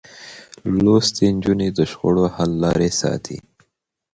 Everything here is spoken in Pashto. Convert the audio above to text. لوستې نجونې د شخړو حل لارې ساتي.